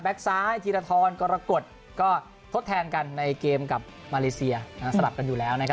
ซ้ายธีรทรกรกฎก็ทดแทนกันในเกมกับมาเลเซียสลับกันอยู่แล้วนะครับ